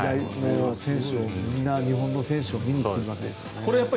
みんな日本の選手を見に来るわけですからね。